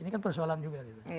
ini kan persoalan juga